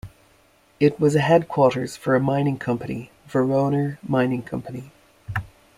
It was a headquarters for a mining company, Voroner Mining Company.